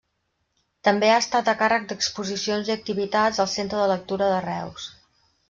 També ha estat a càrrec d'exposicions i activitats al Centre de Lectura de Reus.